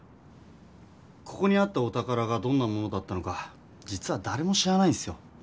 ここにあったお宝がどんなものだったのか実はだれも知らないんすよ。